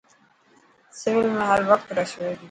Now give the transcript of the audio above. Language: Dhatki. سول ۾ هروقت رش هئي تي.